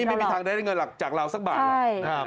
อันนี้ไม่มีทางได้เงินหลักจากเราสักบาทหรอก